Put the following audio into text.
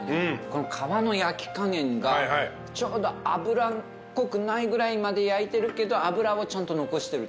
この皮の焼き加減がちょうど脂っこくないぐらいまで焼いてるけど脂はちゃんと残してる。